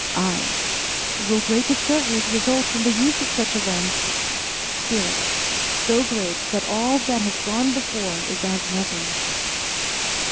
I. Will great discoveries result from the use of such a lens? Spirit So great that all that has gone before is as nothing.